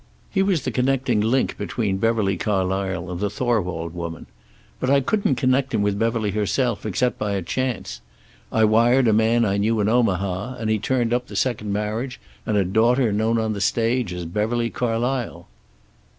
He was the connecting link between Beverly Carlysle and the Thorwald woman. But I couldn't connect him with Beverly herself, except by a chance. I wired a man I knew in Omaha, and he turned up the second marriage, and a daughter known on the stage as Beverly Carlysle."